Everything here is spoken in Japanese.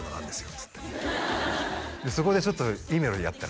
っつって「そこでちょっといいメロディーあったら」